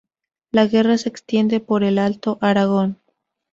La guerra se extiende por el Alto Aragón.